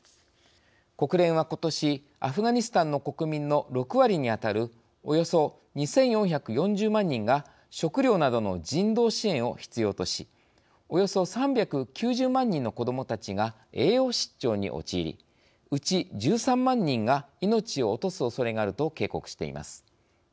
国連は、ことしアフガニスタンの国民の６割に当たるおよそ２４４０万人が食糧などの人道支援を必要としおよそ３９０万人の子どもたちが栄養失調に陥りうち１３万人が命を落とすおそれがあると警告しています。